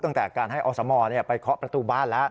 ตั้งแต่การให้อสมอร์เนี่ยไปข๊อประตูบ้านแล้ว